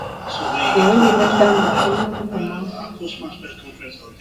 M̄pù nyìmə dāmà onə mpùməŋ.